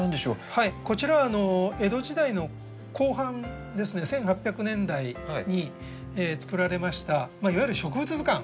こちらは江戸時代の後半ですね１８００年代に作られましたいわゆる植物図鑑。